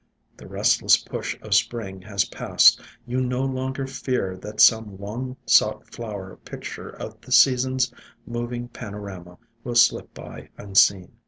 The restless push of Spring has passed. You no longer fear that some long sought flower picture of the season's moving panorama will slip by unseen.